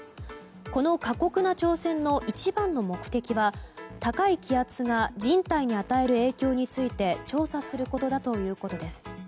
この過酷な挑戦の一番の目的は高い気圧が人体に与える影響について調査することだということです。